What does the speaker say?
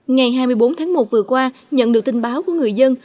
ngày hai mươi bốn tháng một vừa qua nhận được tin báo của người dân